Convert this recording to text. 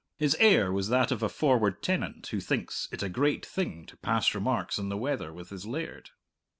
His air was that of a forward tenant who thinks it a great thing to pass remarks on the weather with his laird.